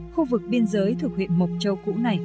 khu vực biên giới thuộc huyện mộc châu cũ này